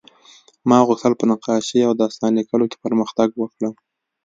ما غوښتل په نقاشۍ او داستان لیکلو کې پرمختګ وکړم